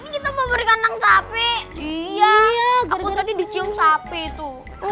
kita mau berikan langsapi iya gede dicium sapi itu